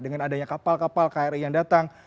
dengan adanya kapal kapal kri yang datang